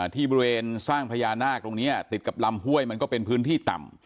ที่บริเวณสร้างพญานาคตรงนี้ติดกับลำห้วยมันก็เป็นพื้นที่ต่ำ